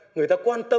người ta quan tâm